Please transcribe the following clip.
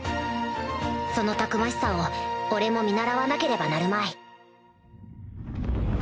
そのたくましさを俺も見習わなければなるまい